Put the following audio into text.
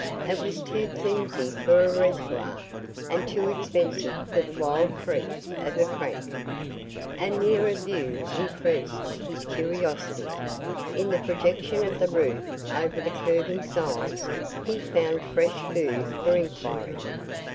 It was too flimsy for a reservoir and too expensive for the wild freak of a crank. A nearer view increased his curiosity. In the projection of the roof over the curving sides he found fresh food for inquiry.